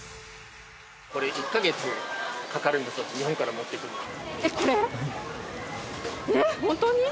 これ、１か月かかるんだそうです、日本から持ってくるのに。